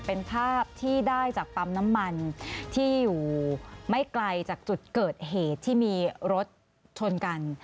เป็นภาพที่ได้จากปั๊มน้ำมันที่อยู่ไม่ไกลจากจุดเกิดเหตุที่มีรถชนกัน